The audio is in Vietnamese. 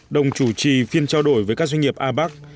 đồng chủ trì phiên trao đổi với các doanh nghiệp a bắc